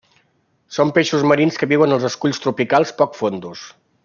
Són peixos marins que viuen als esculls tropicals poc fondos.